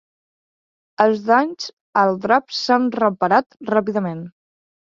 Els danys al drap s'han reparat ràpidament.